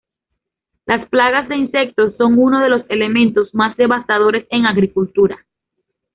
Las plagas de insectos son uno de los elementos más devastadores en agricultura.